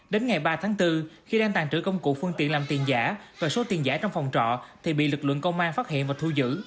đến ngày ba tháng bốn khi đang tàn trữ công cụ phương tiện làm tiền giả và số tiền giả trong phòng trọ thì bị lực lượng công an phát hiện và thu giữ